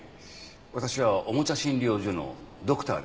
私はおもちゃ診療所のドクターです。